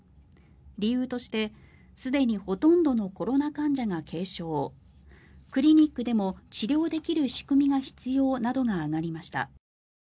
理由として、すでにほとんどのコロナ患者が軽症クリニックでも治療できる仕組みが必要などが挙がりました。